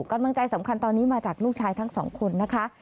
กำลังใจสำคัญตอนนี้มาจากลูกชายทั้งสองคนนะคะ